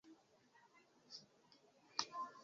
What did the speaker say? Parto el ili kontraŭleĝe revenis al Bjalistoko.